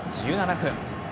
１７分。